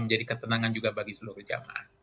menjadi ketenangan juga bagi seluruh jamaah